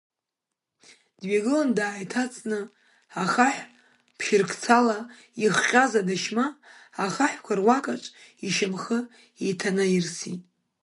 Дҩагылан, дааиҭаҵны хаҳә ԥшьырқцала ихҟьаз адашьма ахаҳәқәа руакаҿ, ишьамхы еиҭанаирсит.